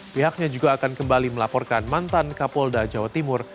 pihaknya juga akan kembali melaporkan mantan kapolda jawa timur